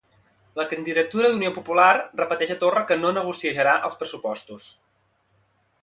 La Candidatura d'Unió Popular repeteix a Torra que no negociejarà els pressupostos.